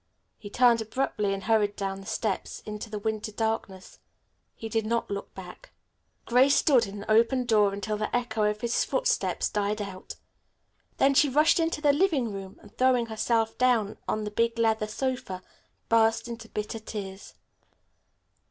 He turned abruptly and hurried down the steps into the winter darkness. He did not look back. Grace stood in the open door until the echo of his footsteps died out. Then she rushed into the living room and, throwing herself down on the big leather sofa, burst into bitter tears.